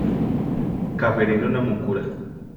Ceferino Namuncurá